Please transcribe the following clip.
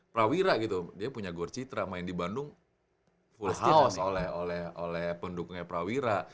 prawira gitu dia punya gor citra main di bandung full house oleh pendukungnya prawira